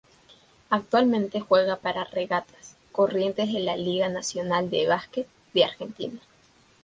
Actualmente juega para Regatas Corrientes de la Liga Nacional de Básquet de Argentina.